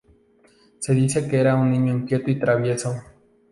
Se dice que era un niño inquieto y travieso.